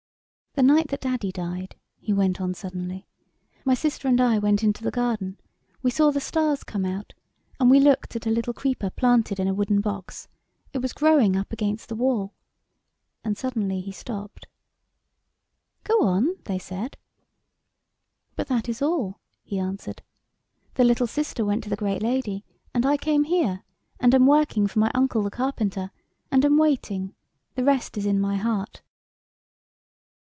... The night that Daddy died," he went on suddenly, " my sister and I went into the garden ; we saw the stars come out, and we looked at a little creeper planted in a wooden box ; it was growing up against the wall," and suddenly he stopped. " Go on/' they said. " But that is all," he answered. " The little sister went to the great lady, and I came here, and am working for iny uncle the carpenter, and am wait ing the rest is in my heart."